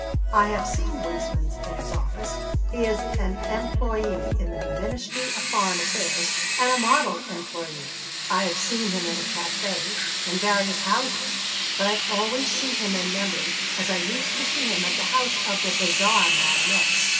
I have seen Huysmans in his office he is an employé in the Ministry of Foreign Affairs, and a model employé; I have seen him in a café, in various houses; but I always see him in memory as I used to see him at the house of the bizarre Madame X.